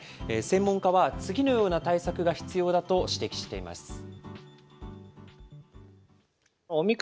専門家は、次のような対策が必要だと指摘しています。